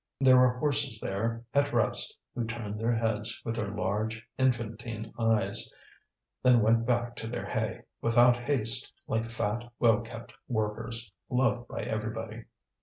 There were horses there, at rest, who turned their heads, with their large infantine eyes, then went back to their hay, without haste, like fat well kept workers, loved by everybody.